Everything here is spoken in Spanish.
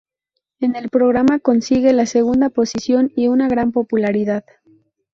En el programa consigue la segunda posición y una gran popularidad.